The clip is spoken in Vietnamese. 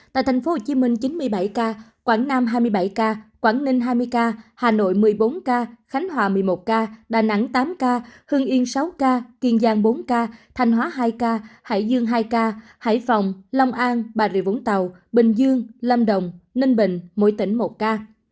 tại tp hcm chín mươi bảy ca quảng nam hai mươi bảy ca quảng ninh hai mươi ca hà nội một mươi bốn ca khánh hòa một mươi một ca đà nẵng tám ca hưng yên sáu ca kiên giang bốn ca thanh hóa hai ca hải dương hai ca hải phòng long an bà rịa vũng tàu bình dương lâm đồng ninh bình mỗi tỉnh một ca